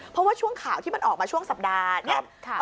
เพราะว่าช่วงข่าวที่มันออกมาช่วงสัปดาห์นี้